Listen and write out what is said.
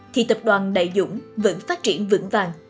thì tập đoàn đại dũng vẫn phát triển vững vàng